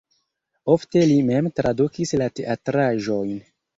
Ofte li mem tradukis la teatraĵojn.